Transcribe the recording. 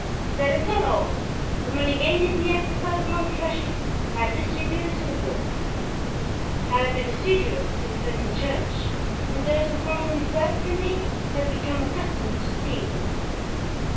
That is not all; the money gained in the exercise of my profession I have distributed to the poor; I have been assiduous in attending church and those who formerly fled from me have become accustomed to seeing me.